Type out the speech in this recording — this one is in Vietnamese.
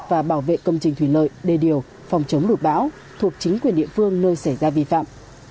và bảo vệ công trình thủy lợi đề điều phòng chống lụt bão thuộc chính quyền địa phương nơi xảy ra vi phạm